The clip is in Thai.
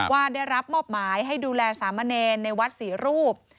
ว่าได้รับมอบหมายให้ดูแลสามเณรในวัดสี่รูป